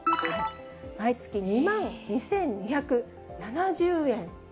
毎月２万２２７０円。